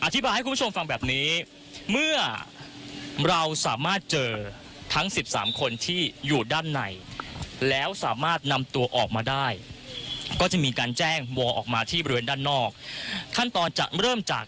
ให้คุณผู้ชมฟังแบบนี้เมื่อเราสามารถเจอทั้ง๑๓คนที่อยู่ด้านในแล้วสามารถนำตัวออกมาได้ก็จะมีการแจ้งวัวออกมาที่บริเวณด้านนอกขั้นตอนจะเริ่มจาก